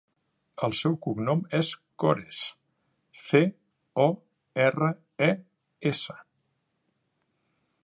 El seu cognom és Cores: ce, o, erra, e, essa.